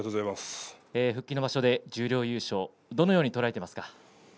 復帰の場所で十両優勝どのように捉えていますか？